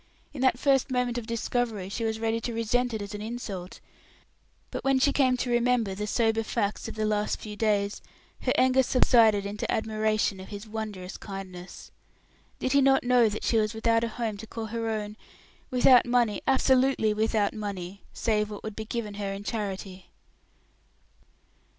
In that first moment of discovery, she was ready to resent it as an insult; but when she came to remember the sober facts of the last few days, her anger subsided into admiration of his wondrous kindness. Did he not know that she was without a home to call her own, without money absolutely without money, save what would be given her in charity?